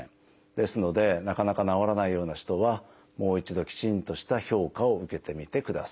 ですのでなかなか治らないような人はもう一度きちんとした評価を受けてみてください。